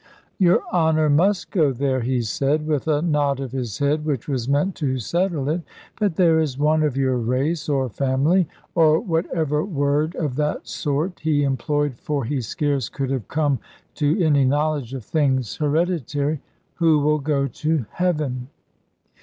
"Your Honour must go there," he said, with a nod of his head which was meant to settle it; "but there is one of your race, or family" or whatever word of that sort he employed, for he scarce could have come to any knowledge of things hereditary "who will go to heaven."